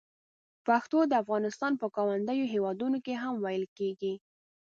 پښتو د افغانستان په ګاونډیو هېوادونو کې هم ویل کېږي.